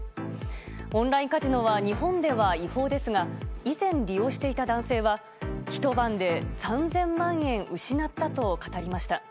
オンラインカジノは日本では違法ですが以前利用していた男性はひと晩で３０００万円失ったと語りました。